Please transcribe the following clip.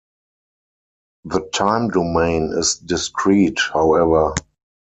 The time domain is discrete, however.